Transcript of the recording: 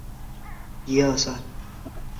新西兰岩虾原属海螯虾科海螯虾属。